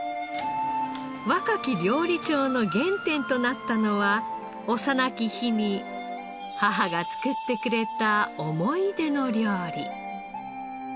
若き料理長の原点となったのは幼き日に母が作ってくれた思い出の料理。